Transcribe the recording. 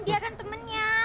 dia kan temennya